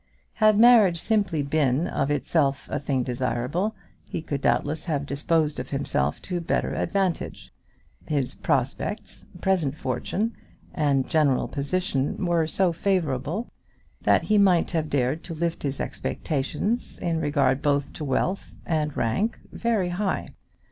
Had marriage simply been of itself a thing desirable, he could doubtless have disposed of himself to better advantage. His prospects, present fortune, and general position were so favourable, that he might have dared to lift his expectations, in regard both to wealth and rank, very high.